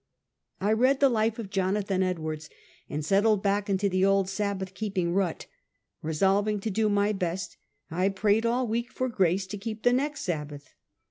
I read the life of Jonathan Edwards, and settled back into the old Sabbath keeping rut. Resolving to do my best, I ]3rayed all week, for grace to keep the next Sabbath.